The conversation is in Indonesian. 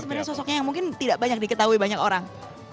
sebenarnya sosoknya yang mungkin tidak banyak diketahui banyak orang